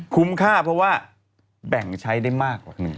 คุ้มค่าเพราะว่าแบ่งใช้ได้มากกว่าหนึ่ง